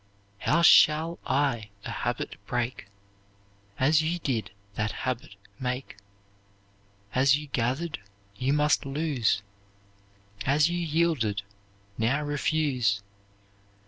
"How shall I a habit break?" As you did that habit make. As you gathered, you must lose; As you yielded, now refuse.